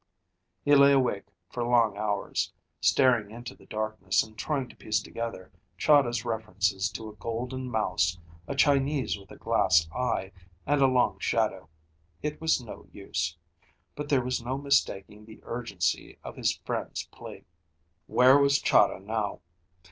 He lay awake for long hours, staring into the darkness and trying to piece together Chahda's references to a golden mouse, a Chinese with a glass eye, and a long shadow. It was no use. But there was no mistaking the urgency of his friend's plea. Where was Chahda now?